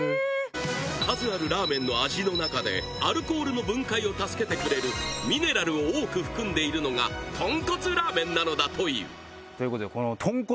数あるラーメンの味の中でアルコールの分解を助けてくれるミネラルを多く含んでいるのがとんこつラーメンなのだというということでこの。